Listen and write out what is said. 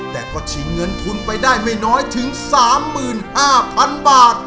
แต่ก็ชิงเงินทุนไปได้ไม่น้อยถึง๓๕๐๐๐บาท